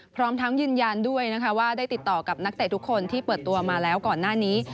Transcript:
พร้อมทั้งยืนยันด้วยนะคะว่าได้ติดต่อกับนักเตะทุกคนที่เปิดตัวมาแล้วก่อนหน้านี้